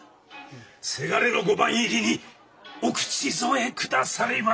せがれの御番入りにお口添え下さりませ。